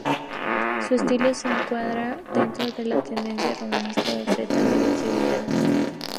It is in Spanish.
Su estilo se encuadra dentro de la tendencia romanista del retablo sevillano.